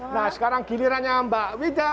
nah sekarang gilirannya mbak wida